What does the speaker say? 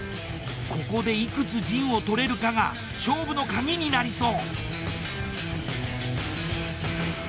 ここでいくつ陣を取れるかが勝負の鍵になりそう。